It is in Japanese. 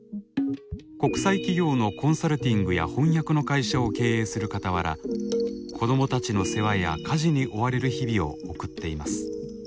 国際企業のコンサルティングや翻訳の会社を経営するかたわら子どもたちの世話や家事に追われる日々を送っています。